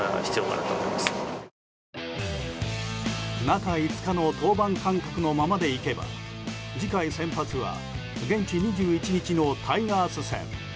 中５日の登板間隔のままでいけば次回先発は、現地２１日のタイガース戦。